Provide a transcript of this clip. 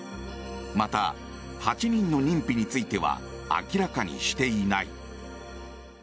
また、８人の認否については明らかにしていない。